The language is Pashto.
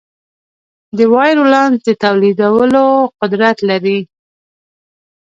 د وایرولانس د تولیدولو قدرت لري.